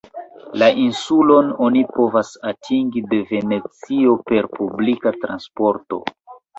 La insulon oni povas atingi de Venecio per publika transporto.